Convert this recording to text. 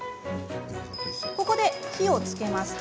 ここで火をつけます。